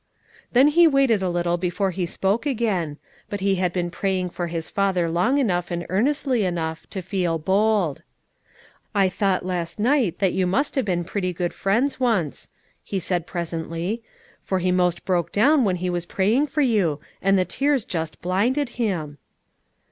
Then he waited a little before he spoke again but he had been praying for his father long enough and earnestly enough to feel bold: "I thought, last night, that you must have been pretty good friends once," he said presently, "for he most broke down when he was praying for you, and the tears just blinded him."